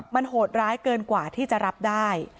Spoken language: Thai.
มันโหดร้ายเกินกว่าที่จะรับได้